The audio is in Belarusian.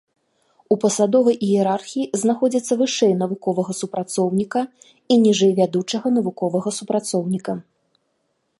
У пасадовай іерархіі знаходзіцца вышэй навуковага супрацоўніка і ніжэй вядучага навуковага супрацоўніка.